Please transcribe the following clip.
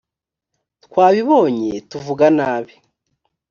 twabibonye, tuvuga nabi